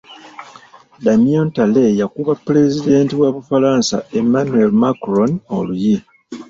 Damien Tarel yakuba Pulezidenti wa Bufalansa Emmanuel Macron oluyi.